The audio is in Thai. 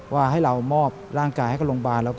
ว่าให้เรามอบร่างกายให้กับโรงพยาบาล